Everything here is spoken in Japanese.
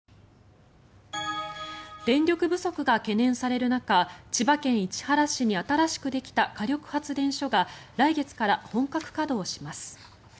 電力不足が懸念される中千葉県市原市に新しくできた火力発電所が来月から本格稼働します。